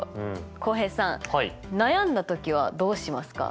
浩平さん悩んだ時はどうしますか？